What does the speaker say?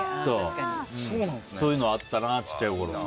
そういうのあったな、小さいころ。